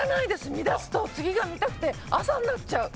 見だすと次が見たくて朝になっちゃう。